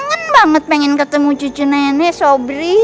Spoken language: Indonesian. pengen banget pengen ketemu cucu nenek sobri